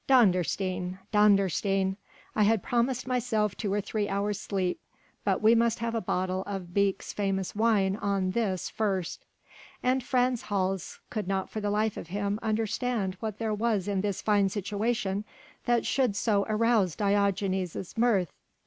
Dondersteen! Dondersteen! I had promised myself two or three hours' sleep, but we must have a bottle of Beek's famous wine on this first!" And Frans Hals could not for the life of him understand what there was in this fine situation that should so arouse Diogenes' mirth.